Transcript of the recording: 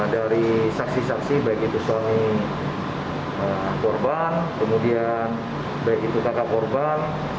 dari saksi saksi baik itu suami korban kemudian baik itu kakak korban